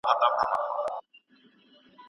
دا لرګی تر هغه بل دروند دی.